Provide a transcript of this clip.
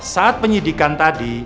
saat penyidikan tadi